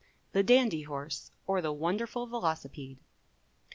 THE DANDY HORSE, OR THE WONDERFUL VELOCIPEDE.